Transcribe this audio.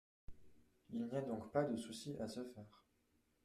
Il n’y a donc pas de souci à se faire.